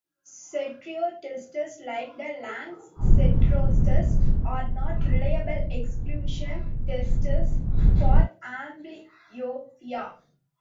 Stereotests like the Lang stereotest are not reliable exclusion tests for amblyopia.